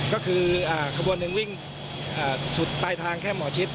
ก็คือขบวนหนึ่งวิ่งสุดปลายทางแค่หมอชิด